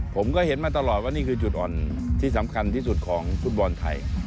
ผมก็เห็นมาตลอดว่านี่คือจุดอ่อนที่สำคัญที่สุดของฟุตบอลไทย